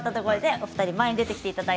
お二人、前に出てきてください。